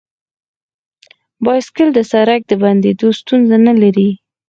بایسکل د سړک د بندیدو ستونزه نه لري.